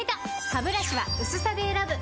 ハブラシは薄さで選ぶ！